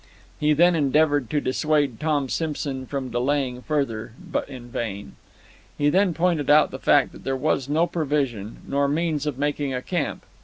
He then endeavored to dissuade Tom Simson from delaying further, but in vain. He even pointed out the fact that there was no provision, nor means of making a camp.